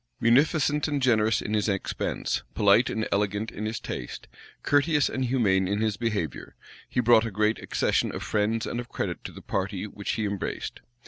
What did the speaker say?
Munificent and generous in his expense; polite and elegant in his taste; courteous and humane in his behavior; he brought a great accession of friends and of credit to the party which he embraced.